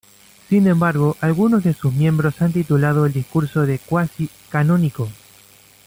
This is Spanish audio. Sin embargo, algunos de sus miembros han titulado el discurso de cuasi-canónico.